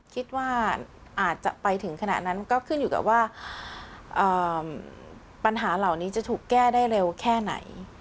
คิดว่าอาจจะไปถึงขณะนั้นก็ขึ้นอยู่กับว่าปัญหาเหล่านี้จะถูกแก้ได้เร็วแค่ไหน